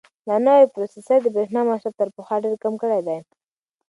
دا نوی پروسیسر د برېښنا مصرف تر پخوا ډېر کم کړی دی.